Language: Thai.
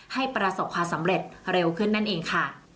ให้ประสบความสำเร็จเร็วขึ้นนั่นเองค่ะ